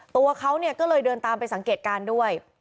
ตัวเขาเนี่ยก็เลยเดินตามไปสังเกตการณ์ด้วย